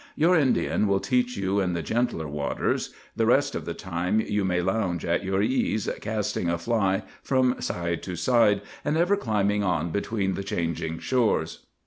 Your Indian will teach you in the gentler waters; and the rest of the time you may lounge at your ease, casting a fly from side to side, and ever climbing on between the changing shores.